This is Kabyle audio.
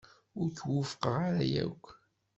Ur k-wufqeɣ ara yakk.